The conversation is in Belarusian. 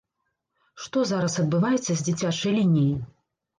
Што зараз адбываецца з дзіцячай лініяй?